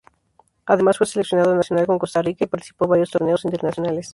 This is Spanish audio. Además fue seleccionado nacional con Costa Rica y participó varios torneos internacionales